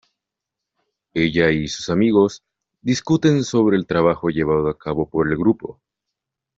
Ella y sus amigos discuten sobre el trabajo llevado a cabo por el grupo.